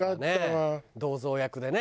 銅像役でね。